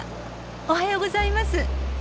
おはようございます。